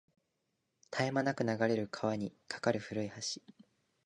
絶え間なく流れる川に架かる古い橋